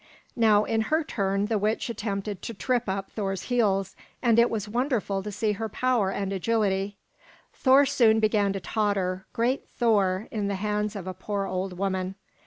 Now in her turn the witch attempted to trip up Thor's heels, and it was wonderful to see her power and agility. Thor soon began to totter, great Thor, in the hands of a poor old woman!